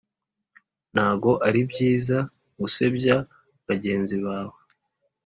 ntago ari byiza gusebya bagenzi bawe